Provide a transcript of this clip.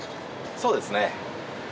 そうですね。